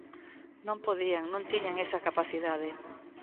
Non podían, non tiñan esa capacidade.